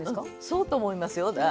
そうと思いますよ。